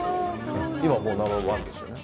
今もうナンバーワンですよね。